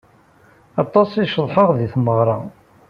Aṭas i ceḍḥeɣ di tmeɣra.